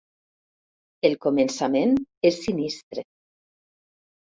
El començament és sinistre.